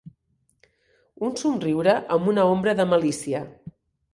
Un somriure amb una ombra de malícia.